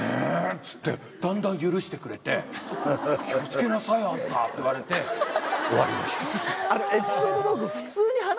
っつってだんだん許してくれて「気を付けなさいあんた」って言われて終わりました。